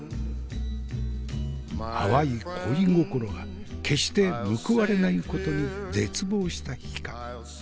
淡い恋心が決して報われないことに絶望した日か？